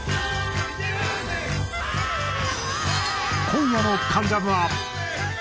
今夜の『関ジャム』は。